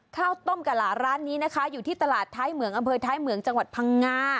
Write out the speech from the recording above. ข้าวต้มกะหลาร้านนี้นะคะอยู่ที่ตลาดท้ายเหมืองอำเภอท้ายเหมืองจังหวัดพังงา